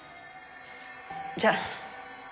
じゃあ。